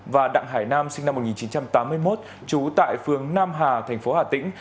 và đặng hải nam sinh năm một nghìn chín trăm tám mươi một trú tại phường nam hà thành phố hà tĩnh